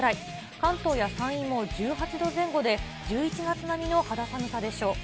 関東や山陰も１８度前後で、１１月並みの肌寒さでしょう。